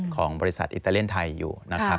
ของบริษัทอิตาเลียนไทยอยู่นะครับ